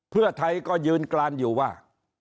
เพื่อไทยก็ยืนกรานอยู่ว่า